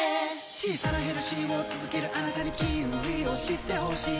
小さなヘルシーを続けるあなたにキウイを知ってほしい